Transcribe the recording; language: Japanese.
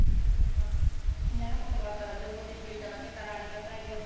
気になることがあったら、情報提供いただけたらありがたいです。